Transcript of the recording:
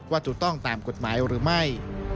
ถูกต้องตามกฎหมายหรือไม่